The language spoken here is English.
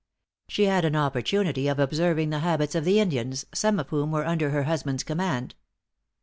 She had an opportunity of observing the habits of the Indians, some of whom were under her husband's command.